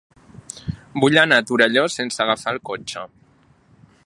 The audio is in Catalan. Vull anar a Torelló sense agafar el cotxe.